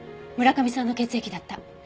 村上さんの血液だった。